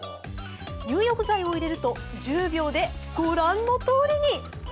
入浴剤を入れると、１０秒で御覧のとおりに。